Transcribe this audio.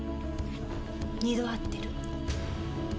２度会ってる。